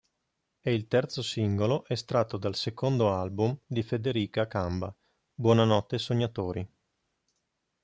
È il terzo singolo estratto dal secondo album di Federica Camba, "Buonanotte sognatori".